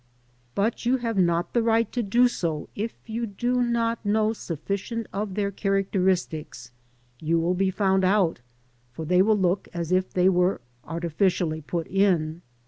But you have not the right to do so if you do not know sufficient of their characteristics ; you will be found out, for they will look as if they were artificially put in.